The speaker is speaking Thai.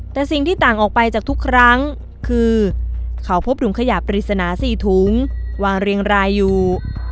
แต่สิ่งที่ต่างออกไปจากทุกครั้งคือเขาพบถุงขยะปริศนา๔ถุงวางเรียงรายอยู่